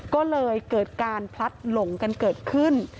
ก็เลยเกิดการพลัดหลงกันเกิดขึ้น